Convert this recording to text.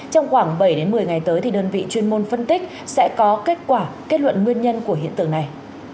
trong khoảng bảy một mươi ngày tới thì đơn vị chuyên môn phân tích sẽ có kết quả kết luận nguyên nhân của hiện tượng này